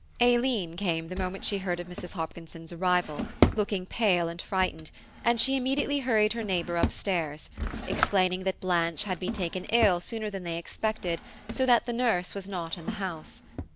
Aileen came the moment she heard of Mrs. Hopkinson's arrival, looking pale and frightened, and she immediately hurried her neighbour upstairs, explaining that Blanche had been taken ill sooner than they expected, so that the nurse was not in the house.